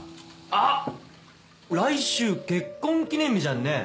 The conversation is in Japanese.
あぁ来週結婚記念日じゃんね。